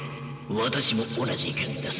私も同じ意見です。